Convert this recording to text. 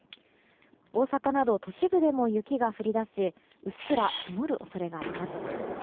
大阪など都市部でも雪が降り出しうっすら積もる恐れがあります。